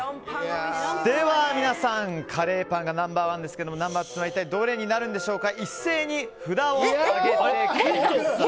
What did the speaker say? では皆さん、カレーパンがナンバー１ですけどもナンバー２はどれになるんでしょうか。